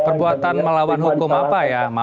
perbuatan melawan hukum apa ya maaf saya potong